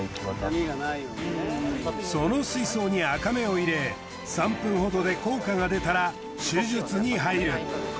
その水槽にアカメを入れ３分ほどで効果が出たら手術に入る。